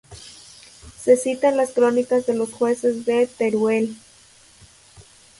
Se cita en las Crónicas de los Jueces de Teruel.